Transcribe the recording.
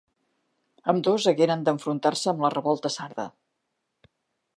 Ambdós hagueren d’enfrontar-se amb la revolta sarda.